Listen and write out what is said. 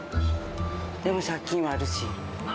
でも借金はあるし。